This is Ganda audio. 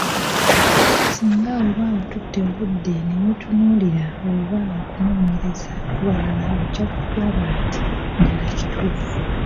Singa obanga otutte obudde ne weetunuulira oba okunoonyereza ku balala ojja kulaba nti ddala kituufu.